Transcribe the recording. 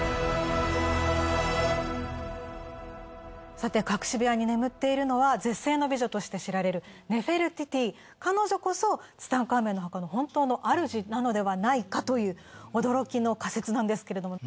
さて隠し部屋に眠っているのは絶世の美女として知られるネフェルティティ彼女こそツタンカーメンの墓の本当の主なのではないかという驚きの仮説なんですけれども。